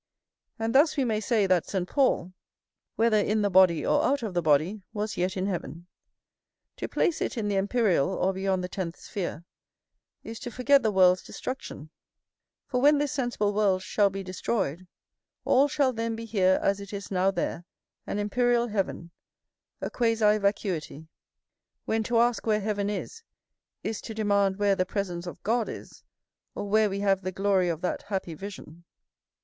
And thus we may say that Saint Paul, whether in the body or out of the body, was yet in heaven. To place it in the empyreal, or beyond the tenth sphere, is to forget the world's destruction; for when this sensible world shall be destroyed, all shall then be here as it is now there, an empyreal heaven, a quasi vacuity; when to ask where heaven is, is to demand where the presence of God is, or where we have the glory of that happy vision.